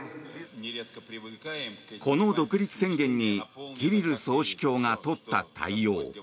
この独立宣言にキリル総主教が取った対応。